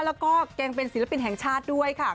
แล้วก็แกงเป็นศิลปินแห่งชาติด้วยค่ะ